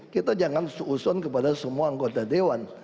kita jangan seuson kepada semua anggota dewan